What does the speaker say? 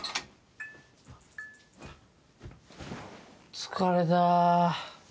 疲れた。